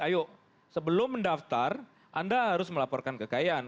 ayo sebelum mendaftar anda harus melaporkan kekayaan